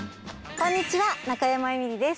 こんにちは中山エミリです。